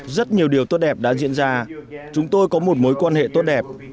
rất nhiều điều tốt đẹp đã diễn ra chúng tôi có một mối quan hệ tốt đẹp